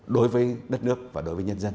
đối với đất nước và đối với nhân dân